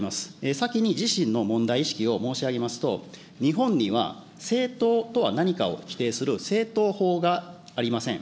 先に自身の問題意識を申し上げますと、日本には、政党とは何かを規定する政党法がありません。